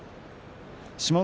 志摩ノ